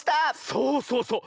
そうそうそう。